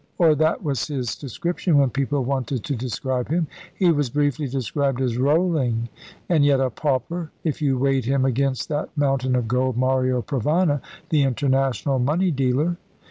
Or that was his description when people wanted to describe him. He was briefly described as "rolling," and yet a pauper, if you weighed him against that mountain of gold, Mario Provana, the international money dealer.